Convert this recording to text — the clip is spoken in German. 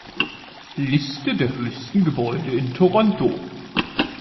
Liste der höchsten Gebäude in Toronto